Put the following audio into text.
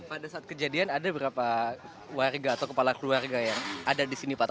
pada saat kejadian ada berapa warga atau kepala keluarga yang ada di sini pak